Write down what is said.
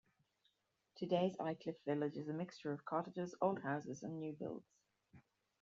Today's Aycliffe Village is a mixture of cottages, old houses and new builds.